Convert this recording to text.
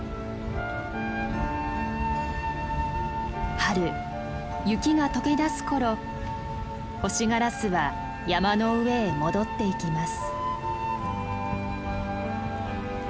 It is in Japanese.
春雪が解けだす頃ホシガラスは山の上へ戻っていきます。